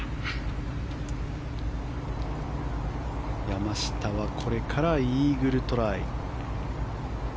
山下は、これからイーグルトライ。